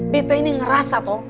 beta ini ngerasa toh